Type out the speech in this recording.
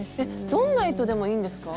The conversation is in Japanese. どんな糸でもいいんですか？